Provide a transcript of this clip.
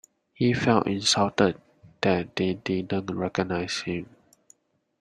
He felt insulted that they didn't recognise him.